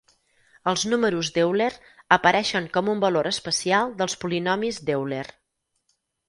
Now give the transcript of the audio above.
Els números d'Euler apareixen com un valor especial dels polinomis d'Euler.